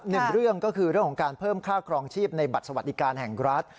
หนึ่งเรื่องก็คือเรื่องของการเพิ่มค่าครองชีพในบัตรสวัสดิการแห่งรัฐ